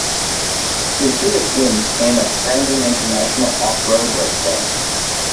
His biggest wins came at Crandon International Off-Road Raceway.